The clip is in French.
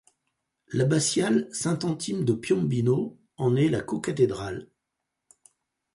L'abbatiale Saint-Anthime de Piombino en est la co-cathédrale.